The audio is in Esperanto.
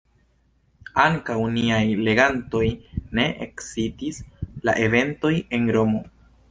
Ankaŭ niajn legantojn ne ekscitis la eventoj en Romo.